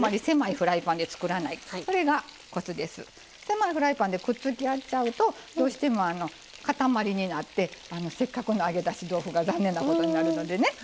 狭いフライパンでくっつき合っちゃうとどうしてもかたまりになってせっかくの揚げだし豆腐が残念なことになるのでね。